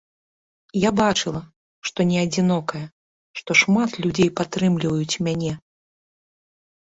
Я ўбачыла, што не адзінокая, што шмат людзей падтрымліваюць мяне.